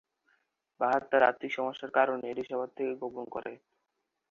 বাহার তার আর্থিক সমস্যার কারণে এটি সবার থেকে গোপন করে।